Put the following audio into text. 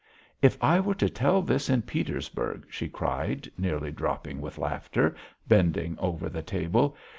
"If I were to tell this in Petersburg!" she cried, nearly dropping with laughter, bending over the table.